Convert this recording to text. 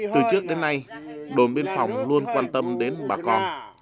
từ trước đến nay đồn biên phòng luôn quan tâm đến bà con